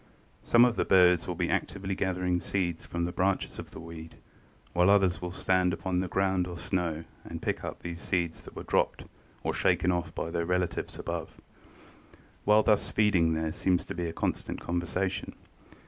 Some of the birds will be actively gathering seeds from the branches of the weed, while others will stand upon the ground or snow and pick up those seeds that are dropped or shaken off by their relatives above. While thus feeding there seems to be a constant conversation.